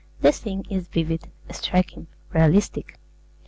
The scene is vivid, striking, realistic.